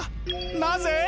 なぜ？